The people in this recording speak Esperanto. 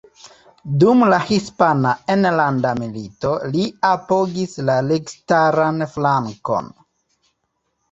Dum la Hispana Enlanda Milito li apogis la registaran flankon.